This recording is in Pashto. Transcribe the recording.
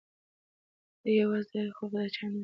دی یوازې دی خو د چا انتظار کوي.